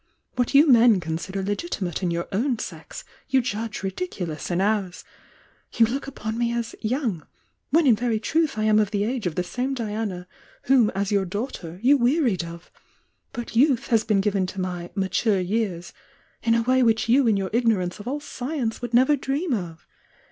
What you men poi,.: Icr le^itii .nif' in your own sex, you judge ridicubus in ou : Voi; look upon me as 'young'— when in ve \ truth 1 am of the age of the same Diana whon is y<i\ir ''aughter you wearied of — but youth has been frw.n t^i my 'mature years' in a way which you in y 'ur ignorance of all science would never dream of.